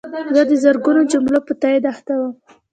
زه د زرګونو جملو په تایید اخته وم.